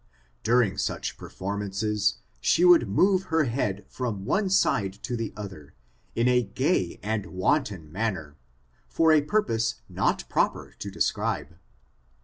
During such performances, she would move her head from one side to the other, in a gay and wanton manner, for a purpose not proper to describe.